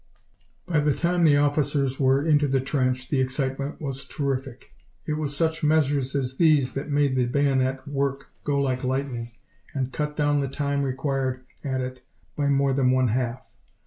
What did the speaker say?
By the time the officers were into the trench, the excitement was terrific. It was such measures as these that made the bayonet work go like lightning, and cut down the time required at it by more than one half.